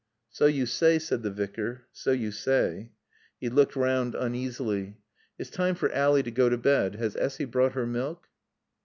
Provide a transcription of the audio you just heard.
"So you say," said the Vicar. "So you say." He looked round uneasily. "It's time for Ally to go to bed. Has Essy brought her milk?"